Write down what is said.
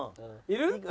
いる？